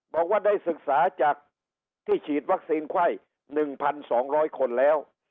บอกว่าได้ศึกษาจากที่ฉีดวัคซีนไข้หนึ่งพันสองร้อยคนแล้ว